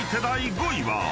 第５位は。